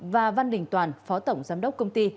và văn đình toàn phó tổng giám đốc công ty